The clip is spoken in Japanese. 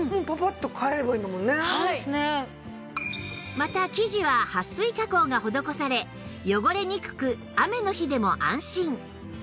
また生地ははっ水加工が施され汚れにくく雨の日でも安心